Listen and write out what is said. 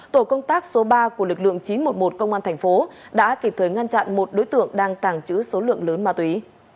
tổ công tác số ba của lực lượng chín trăm một mươi một công an thành phố đã kịp thời ngăn chặn một đối tượng đang tàng trữ số lượng lớn ma túy